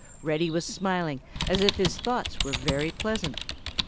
Reddy was smiling as if his thoughts were very pleasant.